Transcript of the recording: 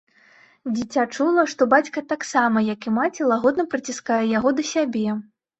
Дзіця чула, што бацька таксама, як і маці, лагодна прыціскае яго да сябе.